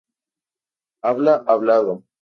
Habla hablado.